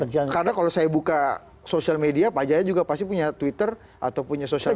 karena kalau saya buka sosial media pak jaya juga pasti punya twitter atau punya sosial media